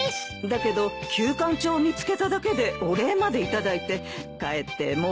だけどキュウカンチョウを見つけただけでお礼まで頂いてかえって申し訳ないわね。